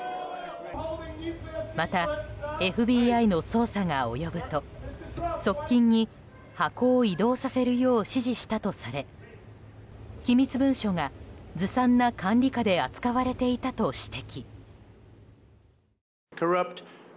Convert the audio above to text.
また、ＦＢＩの捜査が及ぶと側近に箱を移動させるよう指示したとされ機密文書がずさんな管理下で扱われていたと指摘。